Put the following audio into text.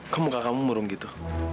ke muka kamu murung gitu